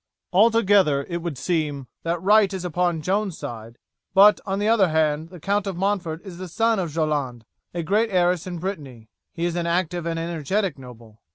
Altogether it would seem that right is upon Joan's side; but, on the other hand, the Count of Montford is the son of Jolande, a great heiress in Brittany. He is an active and energetic noble.